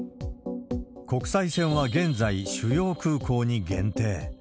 国際線は現在、主要空港に限定。